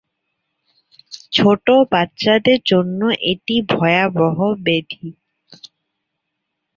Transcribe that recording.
ছোট বাচ্চাদের জন্য এটি ভয়াবহ ব্যাধি।